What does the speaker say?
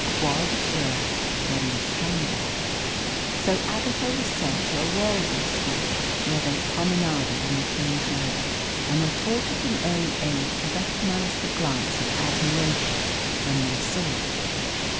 Quod erat demonstrandum. So Agatha was sent to a worldly school, where they promenaded in the King's Road, and were taught at an early age to recognise the glance of admiration when they saw it.